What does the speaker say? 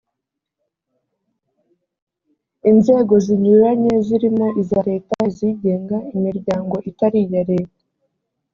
inzego zinyuranye zirimo iza leta, izigenga, imiryango itari iya leta